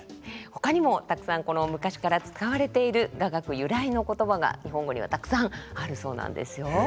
ほかにもたくさん昔から使われている雅楽由来の言葉が日本語にはたくさんあるそうなんですよ。